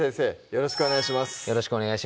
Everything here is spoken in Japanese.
よろしくお願いします